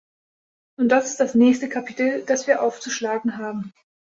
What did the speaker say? Und das ist das nächste Kapitel, das wir aufzuschlagen haben.